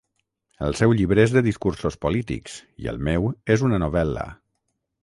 El seu llibre és de discursos polítics i el meu és una novel·la.